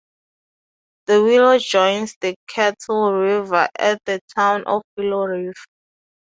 The Willow joins the Kettle River at the town of Willow River.